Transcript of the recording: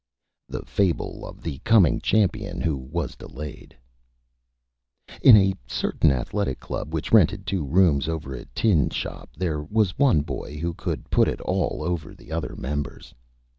_ THE FABLE OF THE COMING CHAMPION WHO WAS DELAYED In a certain Athletic Club which rented two rooms over a Tin Shop there was one Boy who could put it All Over the other Members.